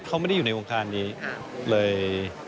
เขาไม่ได้อยู่ในวงการนี้เลย